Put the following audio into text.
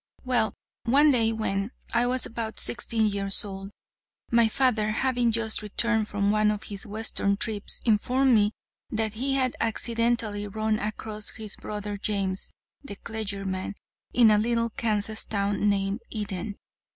"Well, one day when I was about sixteen years old, my father, having just returned from one of his western trips, informed me that he had accidentally run across his brother James, the clergyman, in a little Kansas town named Eden.